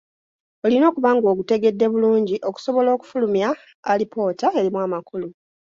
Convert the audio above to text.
Olina okuba ng’ogutegedde bulungi okusobola okufulumya alipoota erimu amakulu.